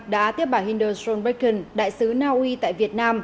đã tiếp bảo hindustan reckon đại sứ naui tại việt nam